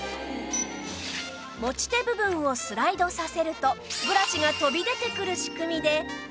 持ち手部分をスライドさせるとブラシが飛び出てくる仕組みで